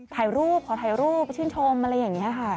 ถ่ายรูปขอถ่ายรูปชื่นชมอะไรอย่างนี้ค่ะ